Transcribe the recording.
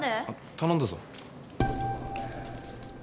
頼んだぞ。